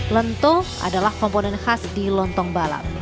lento adalah komponen khas di lontong balap